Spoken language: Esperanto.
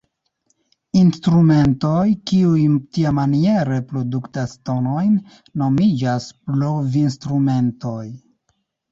Instrumentoj, kiuj tiamaniere produktas tonojn, nomiĝas blovinstrumentoj.